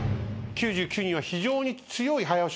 ９９人は非常に強い早押し。